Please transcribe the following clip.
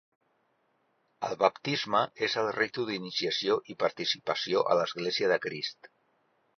El baptisme és el ritu d'iniciació i participació a l'església de Crist.